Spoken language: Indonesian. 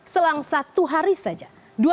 selang satu hari saja